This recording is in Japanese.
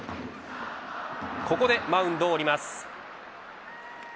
ここでマウンドを降ります。